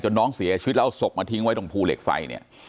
น้องเสียชีวิตแล้วเอาศพมาทิ้งไว้ตรงภูเหล็กไฟเนี่ย